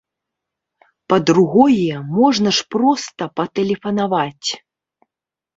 Па-другое, можна ж проста патэлефанаваць!